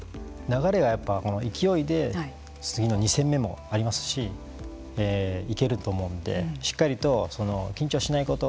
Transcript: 流れが勢いで次の２戦目もありますし行けると思うのでしっかりと緊張しないこと。